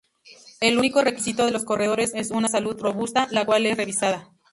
El único requisito de los corredores es una salud robusta, la cual es revisada.